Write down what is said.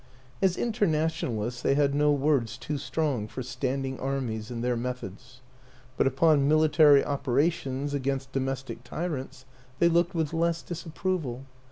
As internationalists they had no words too strong for standing armies and their methods; but upon military operations against domestic WILLIAM AN ENGLISHMAN 27 tyrants they looked with less disapproval.